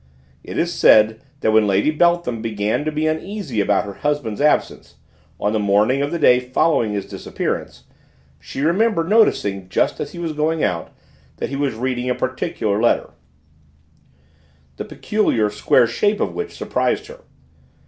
It is said that when Lady Beltham began to be uneasy about her husband's absence, on the morning of the day following his disappearance, she remembered noticing just as he was going out that he was reading a particular letter, the peculiar, square shape of which surprised her.